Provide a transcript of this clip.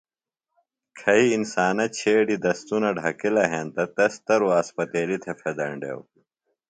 کھئی انسانہ چھیڈیۡ دستُنہ ڈھکِلہ ہینتہ تس تروۡ اسپتیلیۡ تھےۡ پھیدینڈیوۡ۔